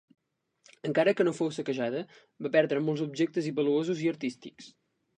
Encara que no fou saquejada, va perdre molts objectes valuosos i artístics.